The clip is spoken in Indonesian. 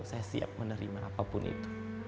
saya siap menerima apapun itu